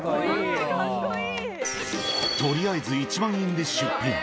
とりあえず１万円で出品。